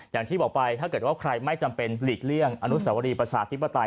อย่างที่บอกไปถ้าเกิดว่าใครไม่จำเป็นหลีกเลี่ยงอนุสวรีประชาธิปไตย